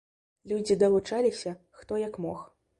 Людзі далучаліся, хто як мог.